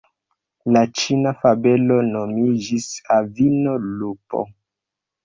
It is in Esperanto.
La ĉina fabelo nomiĝis "Avino Lupo".